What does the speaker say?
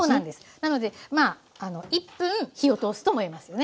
なのでまあ１分火を通すとも言えますよね。